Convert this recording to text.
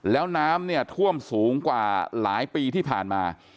แล้วน้ำเนี่ยท่วมสูงกว่าหลายปีที่ผ่านมา